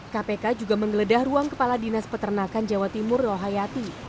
kpk juga menggeledah ruang kepala dinas peternakan jawa timur rohayati